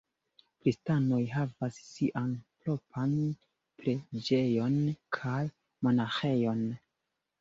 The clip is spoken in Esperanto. Kristanoj havas sian propran preĝejon kaj monaĥejon.